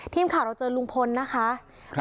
ทีมข่าวเราเจอลุงพลนะคะ